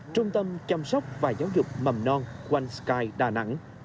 trung tâm chăm sóc và giáo dục mầm non wan sky đà nẵng